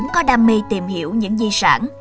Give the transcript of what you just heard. có đam mê tìm hiểu những di sản